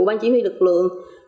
ban chỉ huy lực lượng